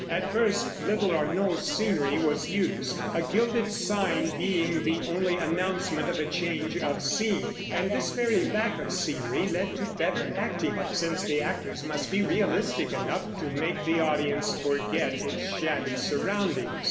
At first little or no scenery was used, a gilded sign being the only announcement of a change of scene; and this very lack of scenery led to better acting, since the actors must be realistic enough to make the audience forget its shabby surroundings.